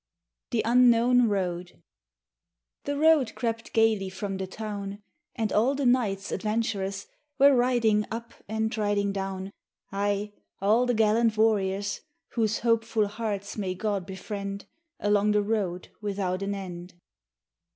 THE UNKNOWN ROAD THE road crept gaily from the town, And all the knights adventurous Were riding up and riding down, Aye, all the gallant warriors, Whose hopeful hearts may God befriend, Along the road without an end.